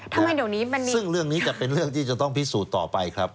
ทำไมเดี๋ยวนี้ซึ่งเรื่องนี้จะเป็นเรื่องที่จะต้องพิสูจน์ต่อไปครับ